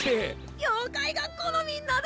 妖怪学校のみんなだ！